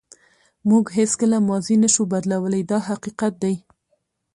موږ هیڅکله ماضي نشو بدلولی دا حقیقت دی.